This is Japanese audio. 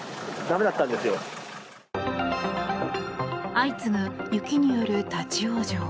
相次ぐ雪による立ち往生。